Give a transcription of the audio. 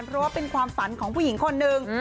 เพราะว่าเป็นความฝันของผู้หญิงคนหนึ่ง